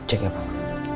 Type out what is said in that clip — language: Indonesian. saya coba cek ya pak